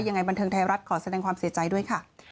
บันเทิงไทยรัฐขอแสดงความเสียใจด้วยค่ะ